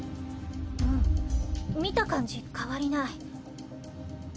うん見た感じ変わりない。